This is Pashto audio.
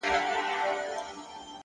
د لرې اورګاډي غږ د سفر خیال راولي